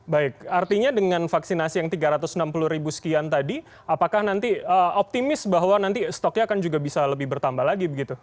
baik artinya dengan vaksinasi yang tiga ratus enam puluh ribu sekian tadi apakah nanti optimis bahwa nanti stoknya akan juga bisa lebih bertambah lagi begitu